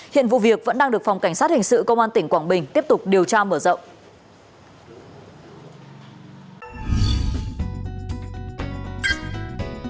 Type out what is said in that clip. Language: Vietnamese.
hiện vụ việc vẫn đang được phòng cảnh sát hình sự công an tỉnh quảng bình tiếp tục điều tra mở rộng